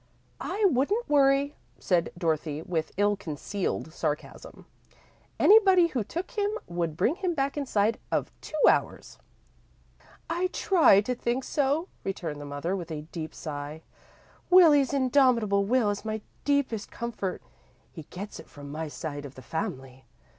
"I wouldn't worry," said Dorothy, with ill concealed sarcasm. "Anybody who took him would bring him back inside of two hours." "I try to think so," returned the mother, with a deep sigh. "Willie's indomitable will is my deepest comfort. He gets it from my side of the family.